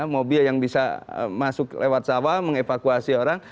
mobil yang bisa masuk lewat sawah mengevakuasi orang